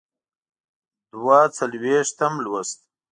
دوه څلویښتم لوست.